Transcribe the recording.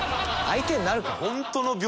相手になるか！